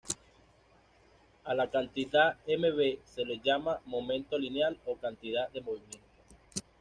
A la cantidad m v se le llama momento lineal o cantidad de movimiento.